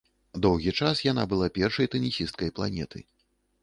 Доўгі час яна была першай тэнісісткай планеты.